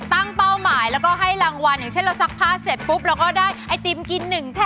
เป้าหมายแล้วก็ให้รางวัลอย่างเช่นเราซักผ้าเสร็จปุ๊บเราก็ได้ไอติมกิน๑แท่น